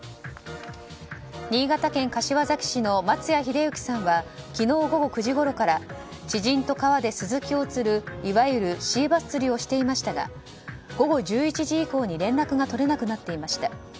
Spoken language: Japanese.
新潟県柏崎市の松谷秀幸さんは昨日午後９時ごろから知人と、川でスズキを釣るいわゆるシーバス釣りをしていましたが午後１１時以降に連絡が取れなくなっていました。